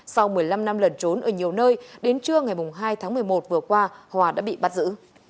sau một mươi năm năm lần trốn ở nhiều nơi đến trưa ngày hai tháng một mươi một vừa qua hòa đã bị bắt giữ